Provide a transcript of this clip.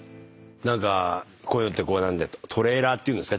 何かこういうのってトレーラーっていうんですか？